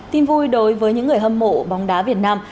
tin vui đối với những người hâm mộ bóng đá việt nam